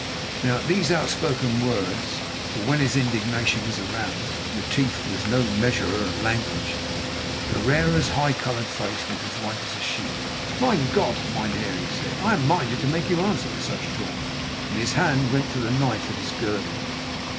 Now, at these outspoken words, for when his indignation was aroused Retief was no measurer of language, Pereira's high coloured face went white as a sheet. "Mein Gott, mynheer," he said, "I am minded to make you answer for such talk," and his hand went to the knife at his girdle.